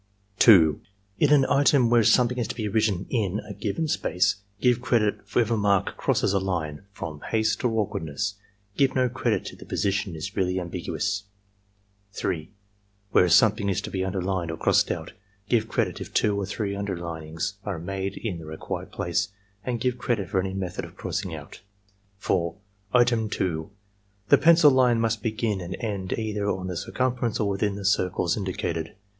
2. In an item where something is to be written "in" a given space, give credit if a mark crosses a line from haste or awk wardness; give no credit if the position is really ambiguous. 3. Where something is to be imderlined or crossed out, give credit if two or three imderlinings are made in the required place, and give credit for any method of crossing out. 4. Item 2, — The pencil line must begin and end either on the circimiference or within the circles indicated.